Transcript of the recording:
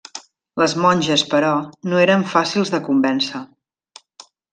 Les monges, però, no eren fàcils de convèncer.